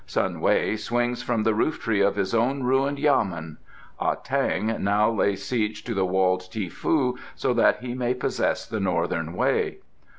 Sun Wei swings from the roof tree of his own ruined yamen. Ah tang now lays siege to walled Ti foo so that he may possess the Northern Way.